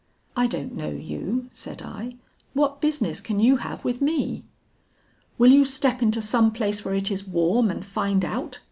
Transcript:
'I don't know you,' said I; 'what business can you have with me?' 'Will you step into some place where it is warm and find out?'